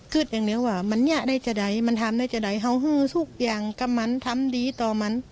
คืออย่างนี้ว่ามันเนี่ยะได้จะได้มันทำได้จะได้เขาหึสุกอย่างกับมันทำดีต่อมัน